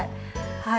はい。